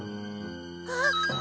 あっ！